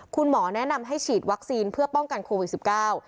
คุณหมอแนะนำให้ฉีดวัคซีนเพื่อป้องกันโควิดสิบเก้า